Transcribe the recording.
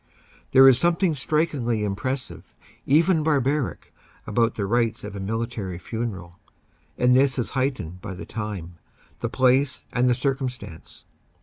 There is something strikingly impressive, even bar baric, about the rites of a military funeral, and this is height ened by the time, the place and the circumstance.